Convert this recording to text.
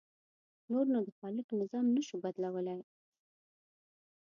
نور نو د خالق نظام نه شو بدلولی.